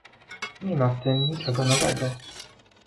Nie ma w tym niczego nowego